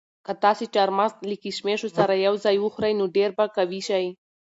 که تاسي چهارمغز له کشمشو سره یو ځای وخورئ نو ډېر به قوي شئ.